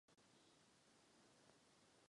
Jsou to sběrači a lovci.